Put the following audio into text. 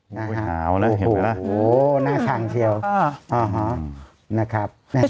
หน้าขาวนะเห็นไหมโอ้โหน่าชังเชียวนะครับ